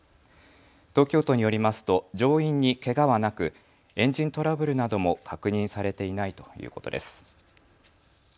東京都によりますと乗員にけがはなくエンジントラブルなども確認されていないということです。